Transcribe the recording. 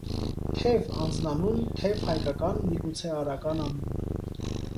Թև (անձնանուն) Թև, հայկական (միգուցե արական) անուն։